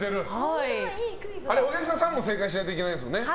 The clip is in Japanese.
お客さんも３問正解しないといけないんですよね。